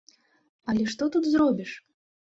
Але што тут зробіш?